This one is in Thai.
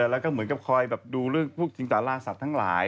แล้วก็เหมือนกับคอยดูเรื่องพวกจิงสาราสัตว์ทั้งหลาย